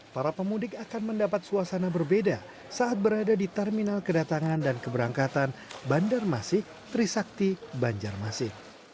para pemudik akan mendapat suasana berbeda saat berada di terminal kedatangan dan keberangkatan bandar masih trisakti banjarmasin